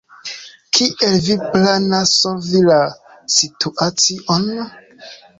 Kiel vi planas solvi la situacion?